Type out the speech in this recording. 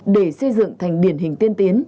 để xây dựng thành điển hình tiên tiến